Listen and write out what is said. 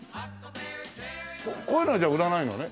こういうのは売らないのね？